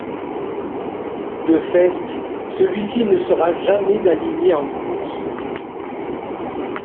De fait, celui-ci ne sera jamais aligné en course.